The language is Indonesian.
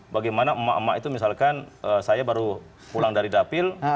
bagaimana emak emak itu misalkan saya baru pulang dari dapil